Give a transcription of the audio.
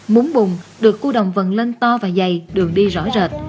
múng bụng được cua đồng vần lên to và dày đường đi rõ rệt